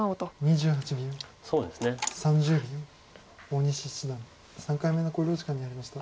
大西七段３回目の考慮時間に入りました。